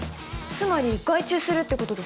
つまり外注するってことですか？